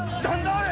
あれ！